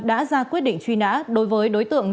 đã ra quyết định truy nã đối với đối tượng